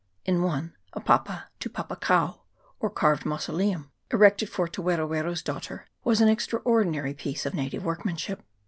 In one a papa tupapakau, or carved mausoleum, erected for Te Wero Wero's daughter, was an extraordinary piece of native workmanship.